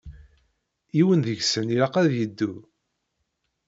Yiwen deg-sen ilaq ad yeddu.